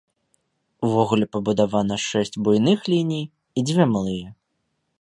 Увогуле пабудавана шэсць буйных ліній і дзве малыя.